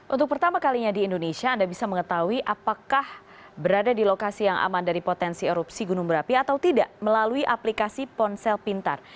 untuk pertama kalinya di indonesia anda bisa mengetahui apakah berada di lokasi yang aman dari potensi erupsi gunung berapi atau tidak melalui aplikasi ponsel pintar